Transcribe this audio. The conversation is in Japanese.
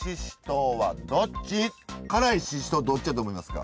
辛いししとうどっちやと思いますか？